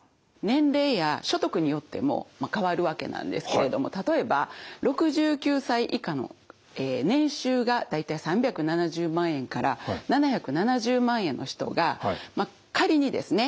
年齢や所得によっても変わるわけなんですけれども例えば６９歳以下の年収が大体３７０万円から７７０万円の人がまあ仮にですね